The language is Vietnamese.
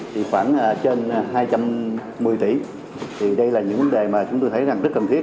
khi phản trên hai trăm một mươi tỷ thì đây là những vấn đề mà chúng tôi thấy rất cần thiết